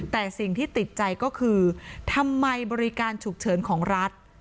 แต่สิ่งที่ติดใจก็คือทำไมบริการฉุกเฉินของรัฐ